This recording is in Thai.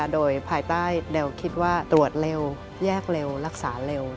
โดยภายใต้แนวคิดว่าตรวจเร็วแยกเร็วรักษาเร็ว